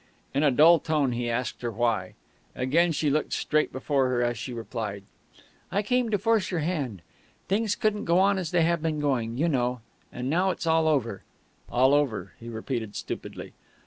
In a dull tone he asked her why. Again she looked straight before her as she replied: "I came to force your hand. Things couldn't go on as they have been going, you know; and now that's all over." "All over," he repeated stupidly.